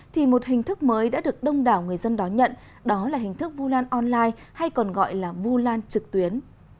thì một hình thức mới đã được đông đảo người dân đón nhận đó là hình thức vu lan online hay còn gọi là vu lan trực tuyến